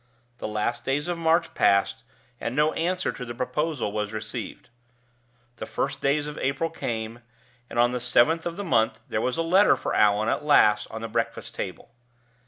The last days of March passed, and no answer to the proposal was received. The first days of April came, and on the seventh of the month there was a letter for Allan at last on the breakfast table.